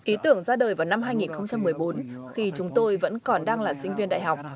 ý tưởng ra đời vào năm hai nghìn một mươi bốn khi chúng tôi vẫn còn đang là sinh viên đại học